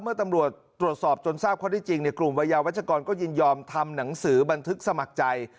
เมื่อตำรวจตรวจสอบจนทราบข้อได้จริงกลุ่มวัยยาวัชกรก็ยินยอมทำหนังสือบันทึกสมัครใจ